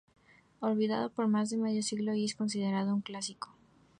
Olvidado por más de medio siglo, hoy es considerado un clásico.